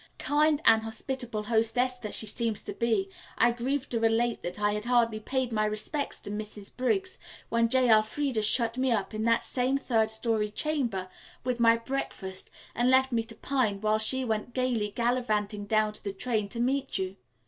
Kind and hospitable hostess that she seems to be, I grieve to relate that I had hardly paid my respects to Mrs. Briggs when J. Elfreda shut me up in that same third story chamber with my breakfast and left me to pine while she went gayly gallivanting down to the train to meet you.